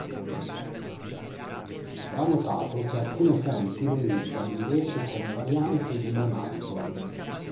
Va notato che alcune fonti lo indicano invece come variante di Monaldo.